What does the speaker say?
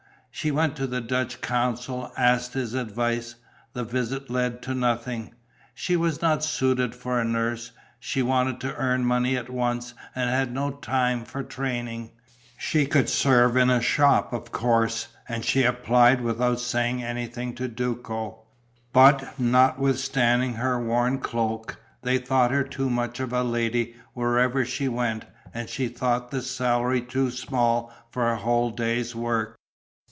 She went to the Dutch consul, asked his advice; the visit led to nothing. She was not suited for a nurse: she wanted to earn money at once and had no time for training. She could serve in a shop, of course. And she applied, without saying anything to Duco; but, notwithstanding her worn cloak, they thought her too much of a lady wherever she went and she thought the salary too small for a whole day's work.